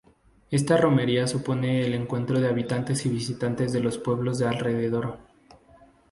Esta romería supone el encuentro de habitantes y visitantes de los pueblos de alrededor.